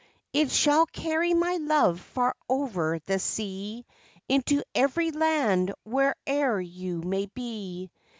It shall carry my love far over the sea, into every land wher'er you may be.